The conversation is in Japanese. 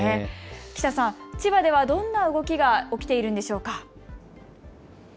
喜多さん、千葉ではどんな動きが起きているのでしょうか。